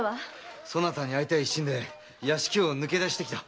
そなたに会いたい一心で屋敷を抜け出してきた。